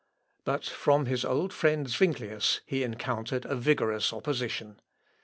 But from his old friend Zuinglius he encountered a vigorous opposition.